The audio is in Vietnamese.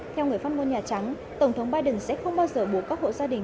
theo người phát ngôn nhà trắng tổng thống biden sẽ không bao giờ buộc các hộ gia đình